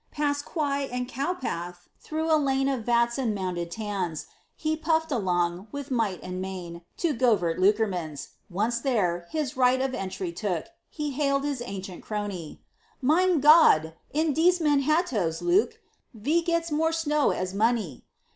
Past quay and cowpath, through a lane Of vats and mounded tans, He puffed along, with might and main, To Govert Loockermans; Once there, his right of entry took, And hailed his ancient crony: "Myn Gód! in dese Manhattoes, Loock, Ve gets more snow as money!"